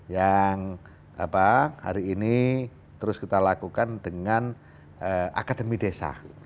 yang hari ini terus kita lakukan dengan akademi desa